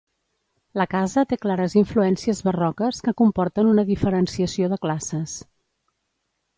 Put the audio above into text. La casa té clares influències barroques que comporten una diferenciació de classes.